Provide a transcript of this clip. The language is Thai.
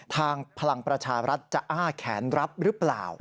พลังประชารัฐจะอ้าแขนรับหรือเปล่า